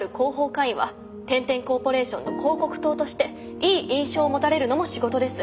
課員は天・天コーポレーションの広告塔としていい印象を持たれるのも仕事です。